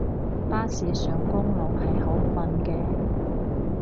巴士上公路係好瞓嘅